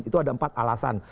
itu ada empat alasan